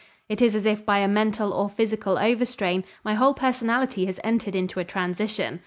It is as if by a mental or physical overstrain, my whole personality has entered into a transition.